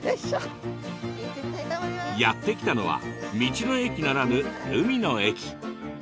やって来たのは道の駅ならぬ海の駅。